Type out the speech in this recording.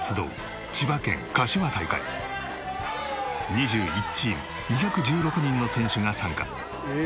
２１チーム２１６人の選手が参加。